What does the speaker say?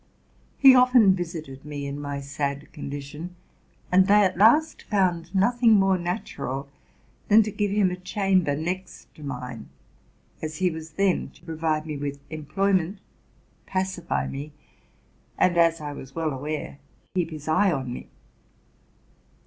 He often visited me in my sad condition; and they at last found nothing more natural than to give him a chamber next to mine, as he was then to provide me with employment, pacify me, and, as I was well aware, keep his eye on me.